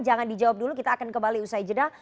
jangan dijawab dulu kita akan kembali usai jeda